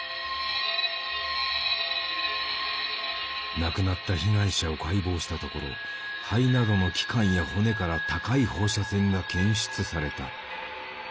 亡くなった被害者を解剖したところ肺などの器官や骨から高い放射線が検出された。